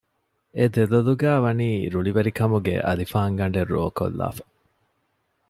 އެދޮލޮލުގައި ވަނީ ރުޅިވެރިކަމުގެ އަލިފާން ގަނޑެއް ރޯކޮށްލާފަ